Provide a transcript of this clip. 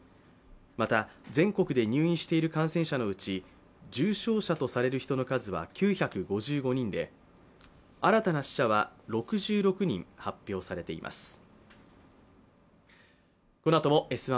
また全国で入院している感染者のうち、重症者とされる人の数は９５５人で新たな死者は６６人発表されています。